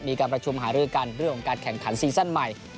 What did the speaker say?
มีการประชุมหารือกันเรื่องของการแข่งขันซีซั่นใหม่